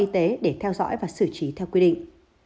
theo dõi và xử trí theo quy định